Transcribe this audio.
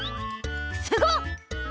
すごっ！